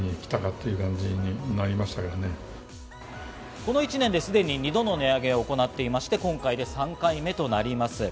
この１年ですでに２度の値上げを行っていまして、今回で３回目となります。